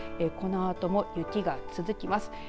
このあとも雪が続きます。